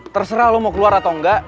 terserah lo mau keluar atau enggak